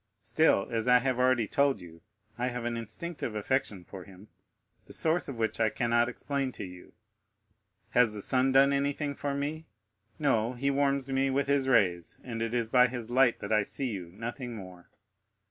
Still, as I have already told you, I have an instinctive affection for him, the source of which I cannot explain to you. Has the sun done anything for me? No; he warms me with his rays, and it is by his light that I see you—nothing more.